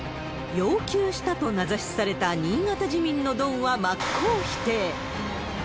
要求したと名指しされた新潟自民のドンは真っ向否定。